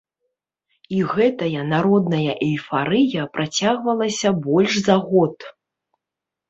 І гэтая народная эйфарыя працягвалася больш за год.